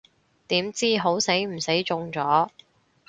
點知好死唔死中咗